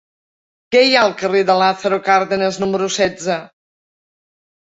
Què hi ha al carrer de Lázaro Cárdenas número setze?